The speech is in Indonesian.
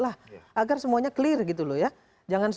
agar semuanya clear gitu loh ya